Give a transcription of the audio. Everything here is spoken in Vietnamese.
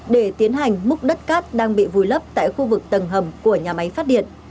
để tiến hành múc đất cát đang bị vùi lấp tại khu vực tầng hầm của nhà máy phát điện